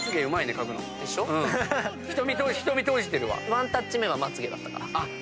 ワンタッチ目がまつ毛だったから。